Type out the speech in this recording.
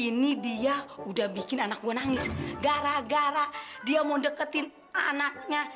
ini dia udah bikin anak gue nangis gara gara dia mau deketin anaknya